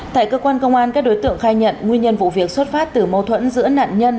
tại cơ quan công an các đối tượng khai nhận nguyên nhân vụ việc xuất phát từ mâu thuẫn giữa nạn nhân